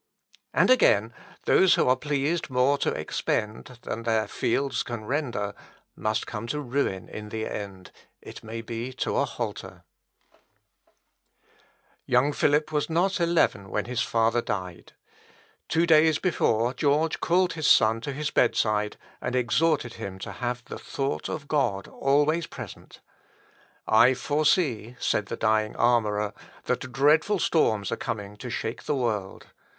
And again Those who are pleased more to expend Than their fields can render, Must come to ruin in the end, It may be to a halter. "Almosen geben armt nicht, etc. Wer mehr will verzehren, etc. (Müller's Reliquien.) Young Philip was not eleven when his father died. Two days before, George called his son to his bed side, and exhorted him to have the thought of God always present. "I foresee," said the dying armourer, "that dreadful storms are coming to shake the world.